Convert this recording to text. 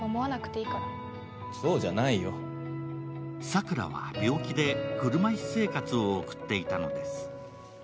桜は病気で車椅子生活を送っていたのです。